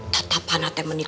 tetap anak temennya